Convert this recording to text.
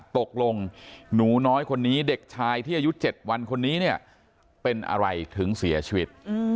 ตกลงหนูน้อยคนนี้เด็กชายที่อายุ๗วันคนนี้เนี่ยเป็นอะไรถึงเสียชีวิต